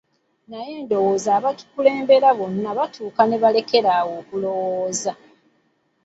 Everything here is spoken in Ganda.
Naye ndowooza abatukulembera bonna batuuka ne balekera awo okulowooza.